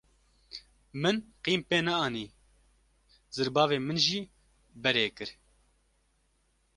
Min qîm pê anî; zirbavê min jî berê kir.